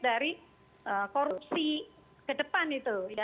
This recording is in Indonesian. dari korupsi ke depan itu